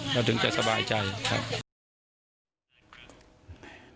แล้วถึงจะสบายใจครับ